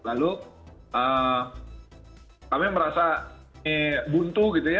lalu kami merasa ini buntu gitu ya